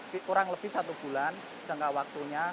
kurang lebih satu bulan jangka waktunya